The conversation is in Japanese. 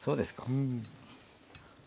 うん。